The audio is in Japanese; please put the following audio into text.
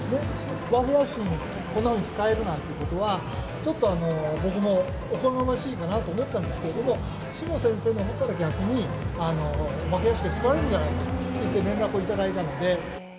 お化け屋敷にこんなふうに使えるなんてのは、ちょっと僕もおこがましいかなと思ったんですけれども、志茂先生のほうから逆に、お化け屋敷に使えるんじゃないかと連絡を頂いたので。